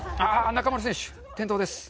中丸選手転倒です